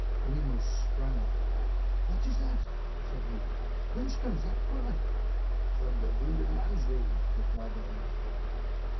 Grimaud sprang up. "What is that?" said he; "whence comes that cry?" "From the wounded man's room," replied the host.